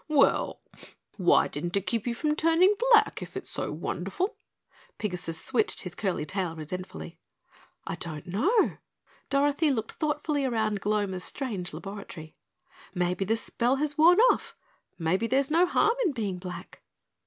"Well, why didn't it keep you from turning black, if it's so wonderful?" Pigasus switched his curly tail resentfully. "I don't know," Dorothy looked thoughtfully around Gloma's strange laboratory, "maybe the spell has worn off, maybe there's no harm in being black."